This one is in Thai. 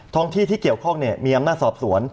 ห้องที่ที่เกี่ยวข้องมีอำนาจสอบสวน